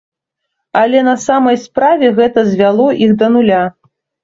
Але на самай справе гэта звяло іх да нуля.